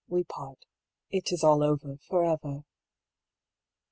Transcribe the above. We part ; it is all over for ever."